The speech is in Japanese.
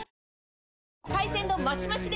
海鮮丼マシマシで！